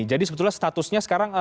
jadi sebetulnya statusnya sekarang